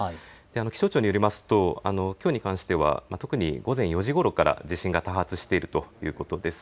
気象庁によりますときょうに関しては特に午前４時ごろから地震が多発しているということです。